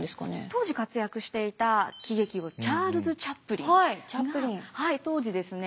当時活躍していた喜劇王チャールズ・チャップリンが当時ですね